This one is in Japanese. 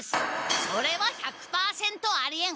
それは１００％ありえん！